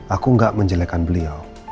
aku gak menjelekkan beliau